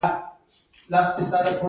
وزې په ګډه چرا خوښوي